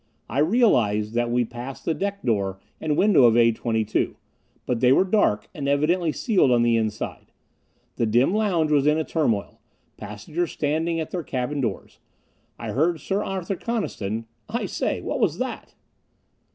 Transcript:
I realized that we passed the deck door and window of A 22. But they were dark, and evidently sealed on the inside. The dim lounge was in a turmoil; passengers standing at their cabin doors. I heard Sir Arthur Coniston: "I say, what was that?"